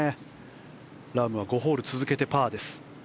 ラームは５ホール続けてパーです。